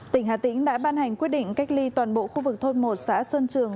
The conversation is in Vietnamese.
tỉnh hà tĩnh đã ban hành quyết định cách ly toàn bộ khu vực thôn một xã sơn trường